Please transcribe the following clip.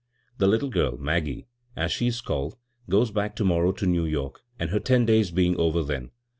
The little girl, * Maggie,' as she is called, goes back to morrow to New York, her ten days being over then.